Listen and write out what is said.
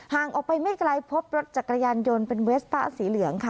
ออกไปไม่ไกลพบรถจักรยานยนต์เป็นเวสป้าสีเหลืองค่ะ